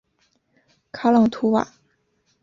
卡朗图瓦。